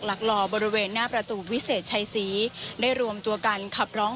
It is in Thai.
หลักหล่อบริเวณหน้าประตูวิเศษชัยศรีได้รวมตัวกันขับร้อง